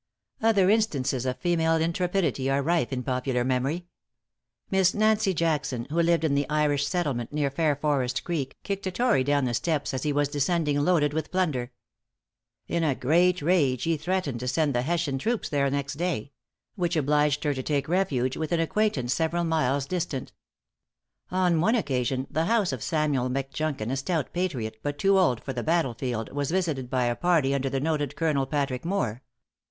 Other instances of female intrepidity are rife in popular memory. Miss Nancy Jackson, who lived in the Irish settlement near Fairforest Creek, kicked a tory down the steps as he was descending loaded with plunder. In a great rage he threatened to send the Hessian troops there next day; which obliged her to take refuge with an acquaintance several miles distant. On one occasion the house of Samuel Mc Junkin, a stout patriot, but too old for the battlefield, was visited by a party under the noted Colonel Patrick Moore.